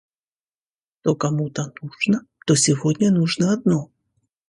что кому-то нужно, то сегодня нужно одно